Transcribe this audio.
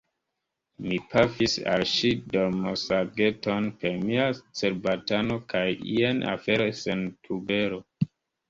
Mi pafis al ŝi dormosageton per mia cerbatano, kaj jen afero sen tubero.